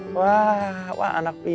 saya datang dengan niat yang baik